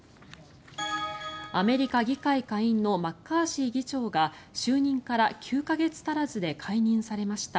アメリカ議会下院のマッカーシー議長が就任から９か月足らずで解任されました。